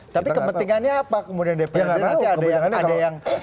tapi kepentingannya apa kemudian dprd nanti ada yang